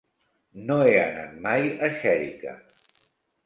No he anat mai a Xèrica.